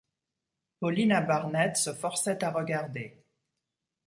Paulina Barnett se forçait à regarder.